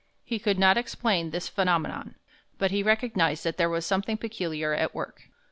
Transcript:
He could not explain this phenomenon, but he recognized that there was something peculiar at work.